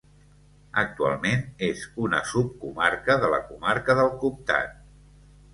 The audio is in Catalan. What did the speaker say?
Actualment és una subcomarca de la comarca del Comtat.